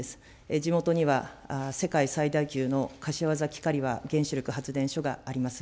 地元には、世界最大級の柏崎刈羽原子力発電所があります。